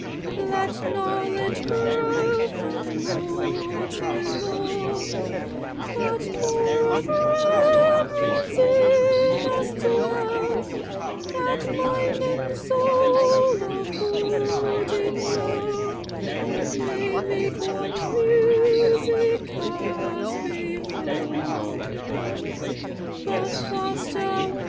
Let knowledge grow from more to more, But more of reverence in us dwell; That mind and soul, according well, May make one music as before, But vaster.